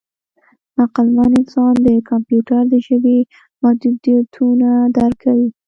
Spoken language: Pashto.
عقلمن انسان د کمپیوټر د ژبې محدودیتونه درک کوي.